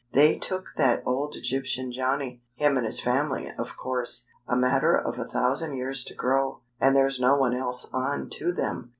They took that old Egyptian Johnny him and his family, of course a matter of a thousand years to grow, and there's no one else on to them.